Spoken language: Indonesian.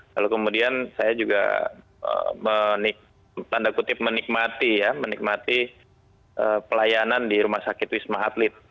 lalu kemudian saya juga menikmati pelayanan di rumah sakit wisma atlet